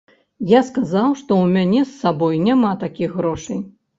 Я сказаў, што ў мяне з сабой няма такіх грошай.